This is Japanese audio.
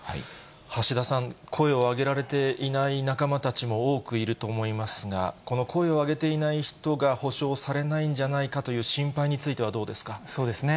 橋田さん、声を上げられていない仲間たちも多くいると思いますが、この声を上げていない人が補償されないんじゃないかという心配にそうですね。